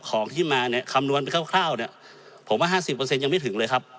ของที่มาเนี้ยคำนวณเป็นคร่าวคร่าวเนี้ยผมว่าห้าสิบขอเซ็นต์ยังไม่ถึงเลยครับ